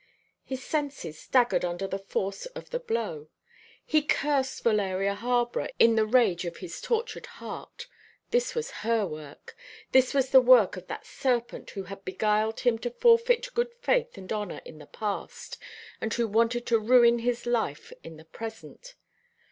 His senses staggered under the force of the blow. He cursed Valeria Harborough in the rage of his tortured heart. This was her work. This was the work of that serpent who had beguiled him to forfeit good faith and honour in the past, and who wanted to ruin his life in the present.